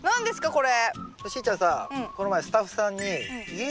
これ。